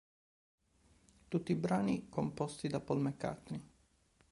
Tutti i brani composti da Paul McCartney